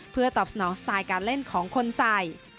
เพื่อตอบสนองสไตล์การเล่นของคนใส่